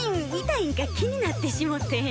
痛いんか気になってしもて。